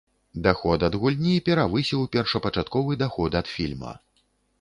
Даход ад гульні перавысіў першапачатковы даход ад фільма.